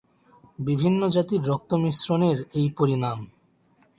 বিভিন্ন জাতির রক্ত-মিশ্রণের এই পরিণাম।